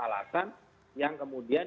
alasan yang kemudian